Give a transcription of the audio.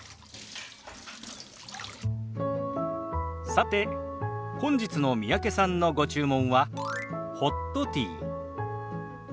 さて本日の三宅さんのご注文はホットティー。